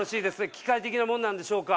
機械的なものなんでしょうか？